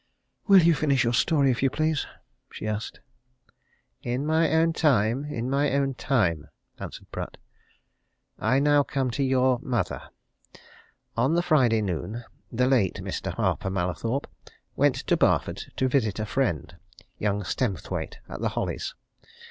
"Will you finish your story, if you please?" she asked. "In my own way in my own time," answered Pratt. "I now come to your mother. On the Friday noon, the late Mr. Harper Mallathorpe went to Barford to visit a friend young Stemthwaite, at the Hollies.